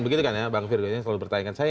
begitu kan ya bang firdwini selalu bertanyakan